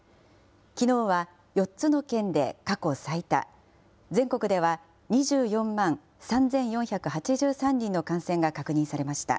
きのうは４つの県で過去最多、全国では２４万３４８３人の感染が確認されました。